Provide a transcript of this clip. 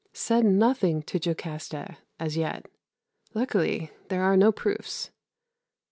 Said nothing to Jocasta, as yet. Luckily, there are no proofs.